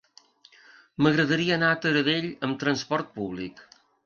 M'agradaria anar a Taradell amb trasport públic.